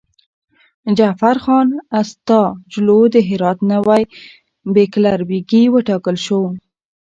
جعفرخان استاجلو د هرات نوی بیګلربيګي وټاکل شو.